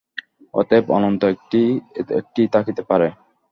অতএব অনন্ত একটিই থাকিতে পারে।